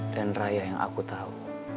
dan raya yang aku tau